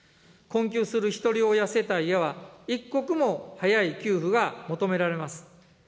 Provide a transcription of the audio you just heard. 困窮するひとり親世帯へは一刻も早い給付が求められます。